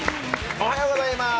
おはようございます。